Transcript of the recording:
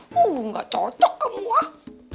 woh gak cocok kamu lah